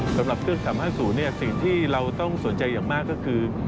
สำหรับเครื่อง๓๕๐สิ่งที่เราต้องสนใจอย่างมากก็คือ